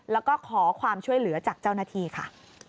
แล้วก็ขอความช่วยเหลือจากเจ้าหน้าที่ค่ะ